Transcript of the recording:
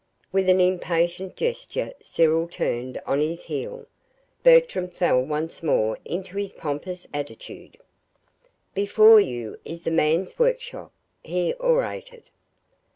With an impatient gesture Cyril turned on his heel. Bertram fell once more into his pompous attitude. "Before you is the Man's workshop," he orated.